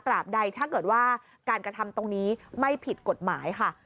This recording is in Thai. ใดถ้าเกิดว่าการกระทำตรงนี้ไม่ผิดกฎหมายค่ะ